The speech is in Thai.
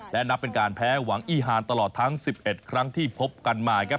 และนับเป็นการแพ้หวังอีฮานตลอดทั้ง๑๑ครั้งที่พบกันมาครับ